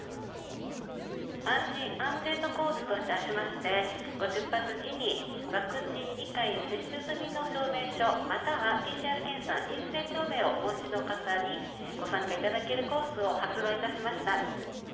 安心・安全のコースといたしまして、ご出発時にワクチン２回接種済みの証明書、またはＰＣＲ検査陰性証明をお持ちの方に、ご参加いただけるコースを発売いたしました。